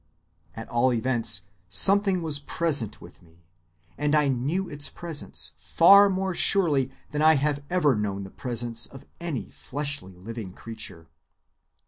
At all events, something was present with me, and I knew its presence far more surely than I have ever known the presence of any fleshly living creature.